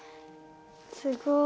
すごい。